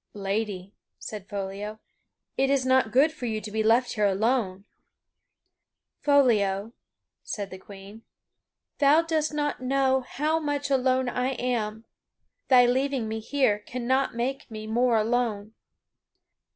"Lady," said Foliot, "it is not good for you to be left here alone." "Foliot," said the Queen, "thou dost not know how much alone I am; thy leaving me here cannot make me more alone."